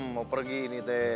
mau pergi ini teh